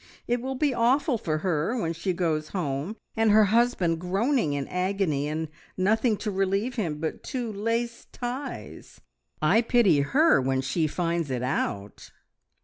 It will be awful for her when she goes home, and her husband groaning in agony, and nothing to relieve him but two lace ties! I pity her when she finds it out."